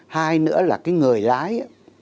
hai nữa là người lái